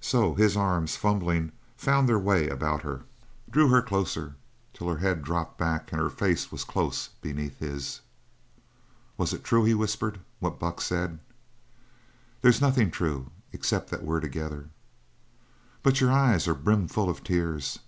So his arms, fumbling, found their away about her, drew her closer, till her head drooped back, and her face was close beneath his. "Was it true," he whispered, "what Buck said?" "There's nothing true except that we're together." "But your eyes are brimful of tears!"